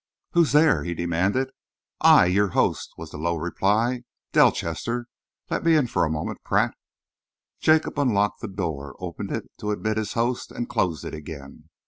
"Who's there?" he demanded. "I, your host," was the low reply, "Delchester. Let me in for a moment, Pratt." Jacob unlocked the door, opened it to admit his host, and closed it again.